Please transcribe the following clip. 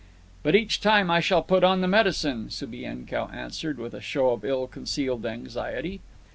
"But each time I shall put on the medicine," Subienkow answered, with a show of ill concealed anxiety.